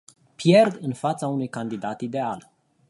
Pierd în fața unui candidat ideal.